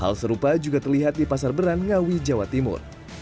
hal serupa juga terlihat di pasar beran ngawi jawa timur